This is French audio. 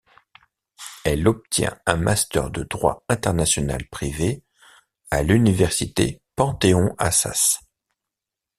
Elle obtient un master de droit international privé à l'université Panthéon-Assas.